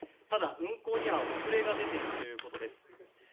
ただ、運行には遅れが出ているということです。